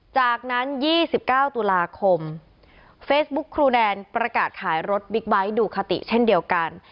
จากนั้น๒๙ตุลาคมเฟซบุ๊คครูแดนประกาศขายรถบิ๊กไบท์ดูคาติเช่นเดียวกัน